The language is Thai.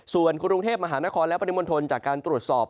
ส่วนกรุงเทพมหานครและปริมณฑลจากการตรวจสอบ